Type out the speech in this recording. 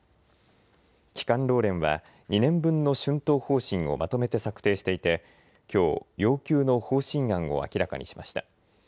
基幹労連は、２年分の春闘方針をまとめて策定していて、きょう、要求の方針案を明らかにしました。